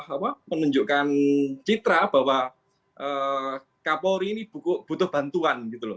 apa menunjukkan citra bahwa kapolri ini butuh bantuan gitu loh